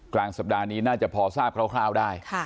กลางสัปดาห์นี้น่าจะพอทราบคร่าวได้